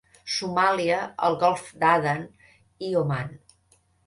Somàlia, el Golf d'Aden i Oman.